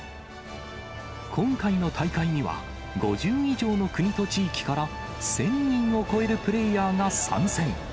今回の大会には、５０以上の国と地域から、１０００人を超えるプレーヤーが参戦。